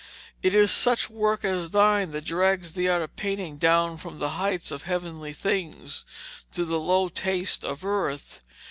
'It is such work as thine that drags the art of painting down from the heights of heavenly things to the low taste of earth.